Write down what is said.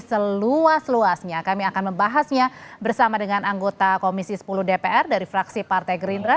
seluas luasnya kami akan membahasnya bersama dengan anggota komisi sepuluh dpr dari fraksi partai gerindra